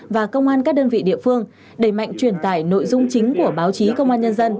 và công an các đơn vị địa phương đẩy mạnh truyền tải nội dung chính của báo chí công an nhân dân